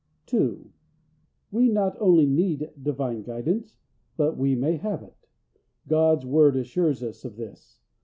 2. We not only need Divine guidance, but we may have it. God's word assures us of this.